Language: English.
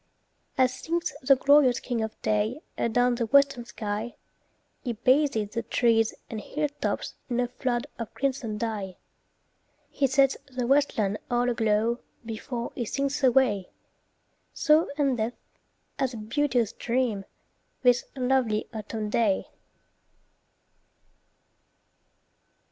As sinks the glorious "King of Day" Adown the western sky, He bathes the trees and hilltops in A flood of crimson dye. He sets the westland all aglow Before he sinks away; So endeth, as a beauteous dream, This lovely autumn day.